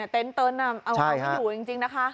เต็นท์เติ้ลท์เอาไว้ไม่อยู่จริงนะคะ